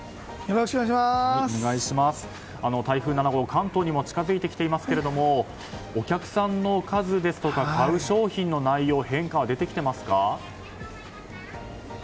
台風７号、関東にも近づいてきていますけどお客さんの数ですとか買う商品の内容変化は出てきていますか？